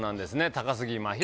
高杉真宙